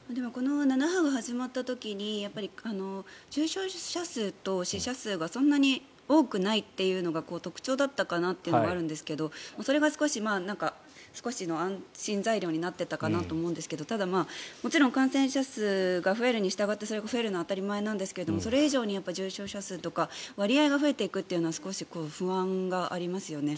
７波が始まった時に重症者数と死者数がそんなに多くないっていうのが特徴だったかなというのがあるんですがそれが少しの安心材料になっていたかなと思うんですがただ、もちろん感染者数が増えるにしたがってそれが増えるのは当たり前なんですがそれ以上に重症者数とか割合が増えていくというのは少し不安がありますよね。